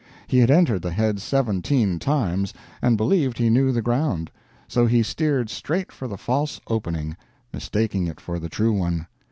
He had entered the Heads seventeen times, and believed he knew the ground. So he steered straight for the false opening, mistaking it for the true one.